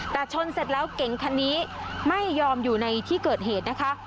แต่ชนเสร็จแล้วเก๋งคันนี้ไม่ยอมอยู่ในที่เกิดเหตุนะคะ